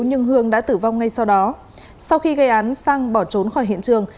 nhưng hương đã tử vong ngay sau đó sau khi gây án sang bỏ trốn khỏi hiện trường